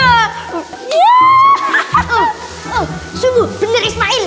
oh sungguh bener ismail